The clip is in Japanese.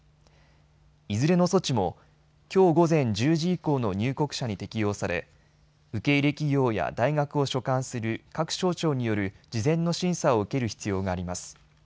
いずれの措置もきょう午前１０時以降の入国者に適用され受け入れ企業や大学を所管する各省庁による事前の審査を受ける必要があります。